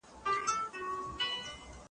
علم د انسان شخصيت جوړوي.